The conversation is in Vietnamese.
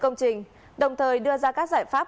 công trình đồng thời đưa ra các giải pháp